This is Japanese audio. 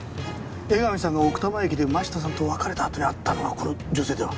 江上さんが奥多摩駅で真下さんと別れたあとに会ったのはこの女性では？